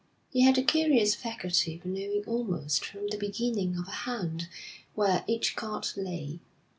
He had a curious faculty for knowing almost from the beginning of a hand where each card lay.